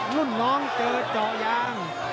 รุ่นน้องเจอเจาะยาง